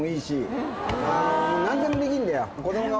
何でもできんだよ。